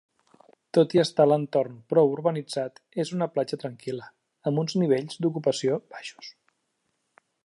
Tot i estar l'entorn prou urbanitzat és una platja tranquil·la, amb uns nivells d'ocupació baixos.